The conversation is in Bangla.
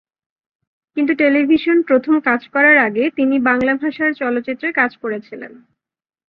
কিন্তু টেলিভিশন প্রথম কাজ করার আগে তিনি বাংলা ভাষার চলচ্চিত্রে কাজ করেছিলেন।